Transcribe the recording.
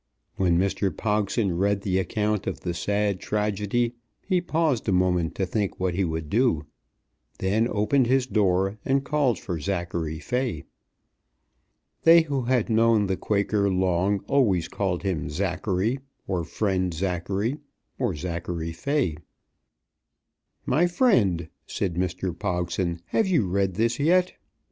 When Mr. Pogson read the account of the sad tragedy he paused a moment to think what he would do, then opened his door and called for Zachary Fay. They who had known the Quaker long always called him Zachary, or Friend Zachary, or Zachary Fay. "My friend," said Mr. Pogson, "have you read this yet?"